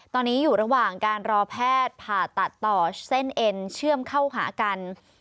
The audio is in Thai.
ตอนนี้อยู่ระหว่างการรอแพทย์ผ่าตัดต่อเส้นเอ็นเชื่อมเข้าหากัน